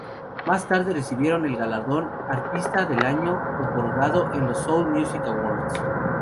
Más tarde recibieron el galardón "Artista del Año", otorgado en los "Seoul Music Awards".